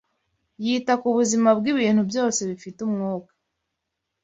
yita ku buzima bw’ibintu byose bifite umwuka